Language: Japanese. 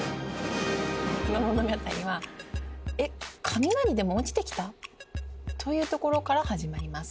この物語はえっ雷でも落ちてきた？というところから始まります